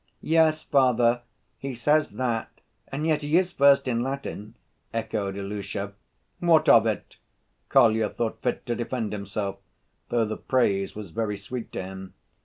"Yes, father, he says that and yet he is first in Latin," echoed Ilusha. "What of it?" Kolya thought fit to defend himself, though the praise was very sweet to him.